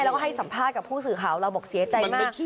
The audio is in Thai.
แล้วก็ให้สัมภาษณ์กับผู้สื่อข่าวเราบอกเสียใจมาก